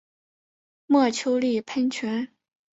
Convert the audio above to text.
墨丘利喷泉。